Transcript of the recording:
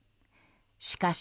しかし。